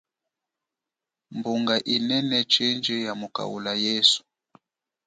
Mbunga inene chindji ya mukaula yesu.